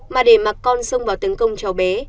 mà để mặc con sông vào tấn công cháu bé